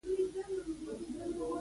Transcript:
کیمیت او کیفیت دواړه برخې زیاتې دي.